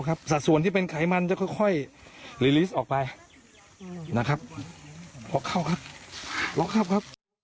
ไปถามคนที่น้ำแข็งจะให้ดีกว่า